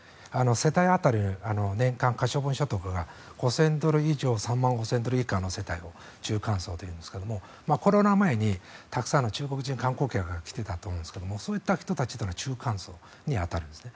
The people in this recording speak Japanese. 世帯当たり、年間の可処分所得が５０００ドル以上３万５０００ドル以下を中間所得層というんですがコロナ前にたくさんの中国観光客が来ていたと思うんですがそういった人たちは中間層に当たるんですね。